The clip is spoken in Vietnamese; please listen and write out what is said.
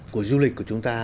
của du lịch của chúng ta